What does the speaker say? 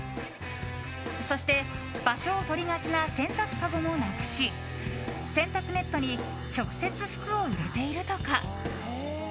そして、場所を取りがちな洗濯かごもなくし洗濯ネットに直接服を入れているとか。